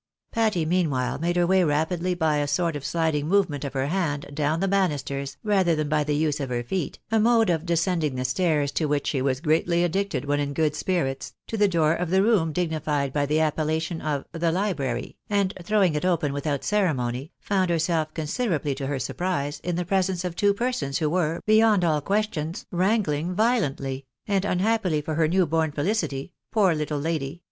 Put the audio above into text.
Patty meanwhile made her way rapidly by a sort of sliding movement of her hand, down the banisters, rather than by the use of her feet (a mode of descending the stairs to which she was greatly addicted when in good spirits), to the door of the room dignified by the appellation of " the library," and throwing it open without ceremony, found herself, considerably to her surprise, in the pre sence of two persons who were, beyond all question, wrangling violently ; and unhappily for her new born felicity, poor Uttle lady